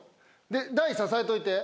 で台支えといて。